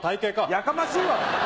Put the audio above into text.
やかましいわ。